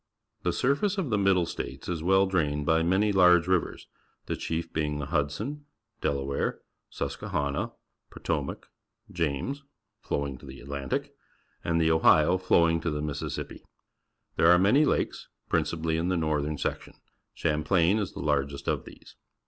The surface of the Middle States is well drahied by many large ri\'ers, the chief being the Hudson. Delaware , ^iisqii.e.hanna, Pqfn njac, Ja)nes, flowing to the Atlantic, and the Olifi) fliiwiiit:; to the Mis siasippi There are many lakes, ]>iiiici])ally in the northern sec tion. Champlain is the largest of these.